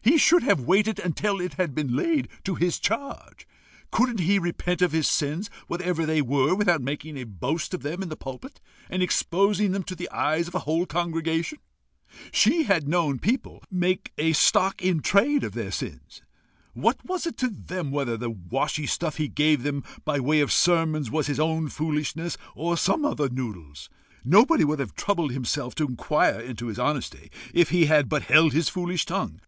He should have waited until it had been laid to his charge. Couldn't he repent of his sins, whatever they were, without making a boast of them in the pulpit, and exposing them to the eyes of a whole congregation? She had known people make a stock in trade of their sins! What was it to them whether the washy stuff he gave them by way of sermons was his own foolishness or some other noodle's! Nobody would have troubled himself to inquire into his honesty, if he had but held his foolish tongue.